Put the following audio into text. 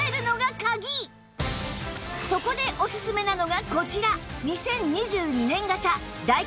そこでおすすめなのがこちら